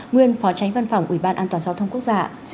nguyên phó tránh văn phòng ủy ban an toàn giao thông quốc gia